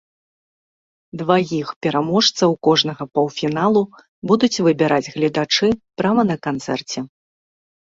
Дваіх пераможцаў кожнага паўфіналу будуць выбіраць гледачы прама на канцэрце.